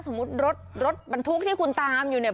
สมมุตลักษณ์รถรถบรรทุกที่คุณตามอยู่เนี่ย